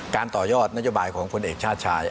ต่อยอดนโยบายของพลเอกชาติชาย